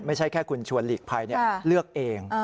ไม่ใช่แค่คุณชวนหลีกภัยเลือกเอง